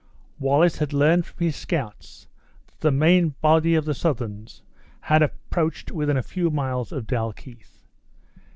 Wallace had learned from his scouts that the main body of the Southrons had approached within a few miles of Dalkeith.